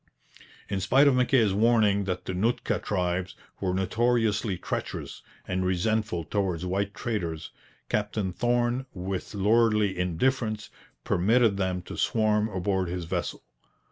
In spite of Mackay's warning that the Nootka tribes were notoriously treacherous and resentful towards white traders, Captain Thorn with lordly indifference permitted them to swarm aboard his vessel.